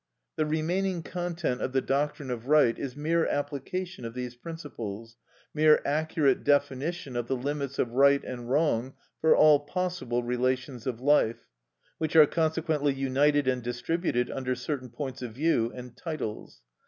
The remaining content of the doctrine of right is mere application of these principles, mere accurate definition of the limits of right and wrong for all possible relations of life, which are consequently united and distributed under certain points of view and titles.